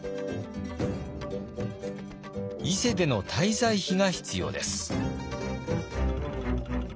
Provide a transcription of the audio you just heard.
伊勢での滞在費が必要です。